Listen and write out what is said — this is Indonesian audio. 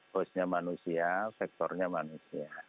hostnya manusia sektornya manusia